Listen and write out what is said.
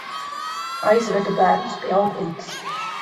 Aizvedu bērnus pie auklītes.